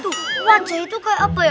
tuh wajah itu kayak apa ya